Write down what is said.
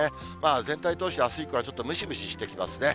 全体通して、あす以降はムシムシしてきますね。